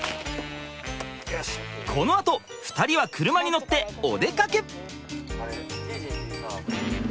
このあと２人は車に乗ってお出かけ！